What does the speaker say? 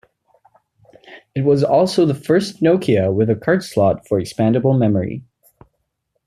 It was also the first Nokia with a card slot for expandable memory.